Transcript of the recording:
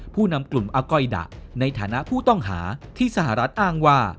ผู้นำกลุ่มอากอยดะในฐานะผู้ต้องหาที่สหรัฐอ้างว่า